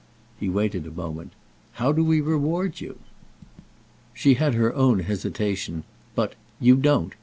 He waited a moment. "How do we reward you?" She had her own hesitation, but "You don't!"